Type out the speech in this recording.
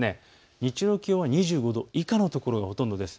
日中の気温は２５度以下の所がほとんどです。